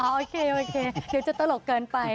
โอเคโอเคเดี๋ยวจะตลกเกินไป